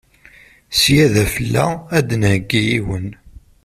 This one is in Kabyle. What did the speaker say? Sya d afella, ad d-nheggi yiwen.